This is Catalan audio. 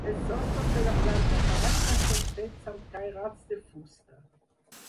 Els sostres de la planta baixa són fets amb cairats de fusta.